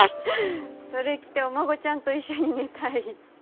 それ着てお孫ちゃんと一緒に寝たい？